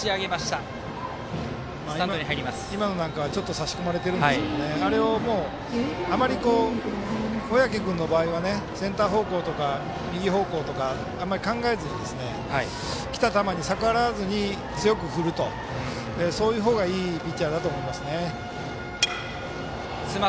今のなんかは少し差し込まれてるんですけどあれをあまり小宅君の場合はセンター方向とか右方向とかあんまり考えずにきた球に逆らわずに強く振るほうがいいピッチャーだと思います。